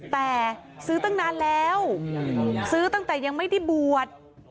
แต่ซื้อตั้งนานแล้วซื้อตั้งแต่ยังไม่ได้บวช